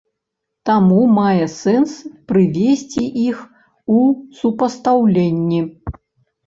Таму мае сэнс прывесці іх у супастаўленні.